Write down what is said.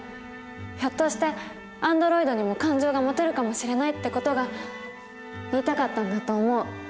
ひょっとしてアンドロイドにも感情が持てるかもしれない」って事が言いたかったんだと思う。